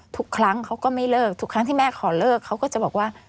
ทุกครั้งเขาก็ไม่เลิกทุกครั้งที่แม่ขอเลิกเขาก็จะบอกว่า